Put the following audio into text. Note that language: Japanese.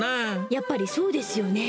やっぱり、そうですよね。